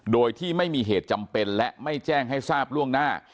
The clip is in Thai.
โดยที่ไม่มีเหตุจำเป็นและไม่แจ้งให้ทราบล่วงหน้า